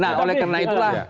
nah oleh karena itulah